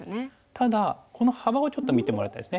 ただこの幅をちょっと見てもらいたいですね。